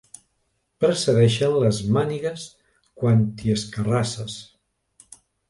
Precedeixen les mànigues quan t'hi escarrasses.